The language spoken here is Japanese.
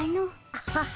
アハハ。